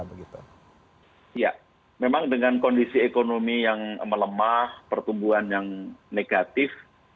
ya memang dengan kondisi ekonomi yang melemah pertumbuhan yang negatif